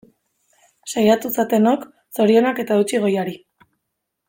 Saiatu zatenok, zorionak eta eutsi goiari!